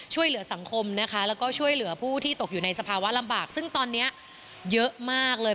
ช่วยเหลือสังคมนะคะแล้วก็ช่วยเหลือผู้ที่ตกอยู่ในสภาวะลำบากซึ่งตอนนี้เยอะมากเลย